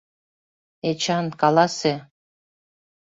Эчан, каласе.